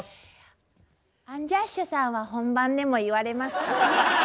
アンジャッシュさんは本番でも言われますか？